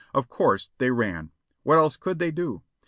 Of course they ran. What else could they do?